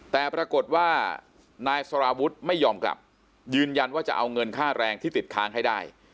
แต่ปรากฏว่านายสารวุฒิไม่ยอมกลับยืนยันว่าจะเอาเงินค่าแรงที่ติดค้างให้ได้